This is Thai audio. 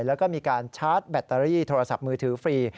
แล้วก็มีการชาร์จแบตเตอรี่โทรศัพท์มือถือฟรี